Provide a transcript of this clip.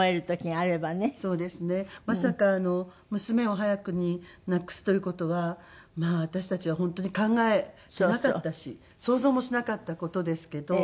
まさか娘を早くに亡くすという事は私たちは本当に考えていなかったし想像もしなかった事ですけど。